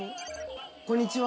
こんにちは。